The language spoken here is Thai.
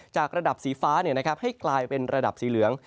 จากระดับสีฟ้าให้กลายเป็นระดับสีเหลือง